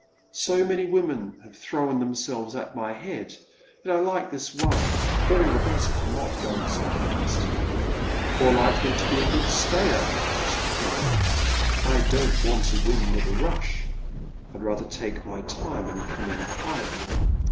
So many women have thrown themselves at my head, that 1 like this one all the better for not going so fast. More likely to be a good stayer, I should think. I don't want to win with a rush. I'd rather take my time and come in quietly."